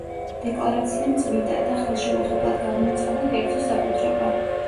დეკლარაციამ წმინდად და ხელშეუხებლად გამოაცხადა კერძო საკუთრება.